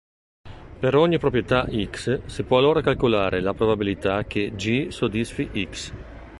Per ogni proprietà "X" si può allora calcolare la probabilità che "G" soddisfi "X".